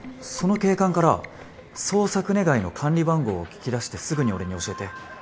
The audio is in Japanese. その警官から捜索願いの管理番号を聞き出してすぐに俺に教えて。